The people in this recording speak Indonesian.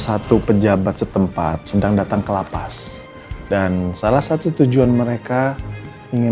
satu pejabat setempat sedang datang ke lapas dan salah satu tujuan mereka ingin